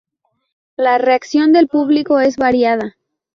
La reacción del público es variada.